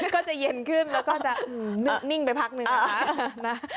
ก็จะเย็นขึ้นแล้วก็จะนิ่งไปพักนึงนะคะ